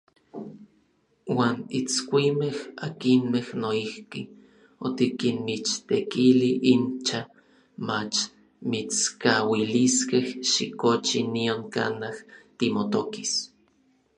Uan itskuimej, akinmej noijki otikinmichtekili incha, mach mitskauiliskej xikochi nion kanaj timotokis.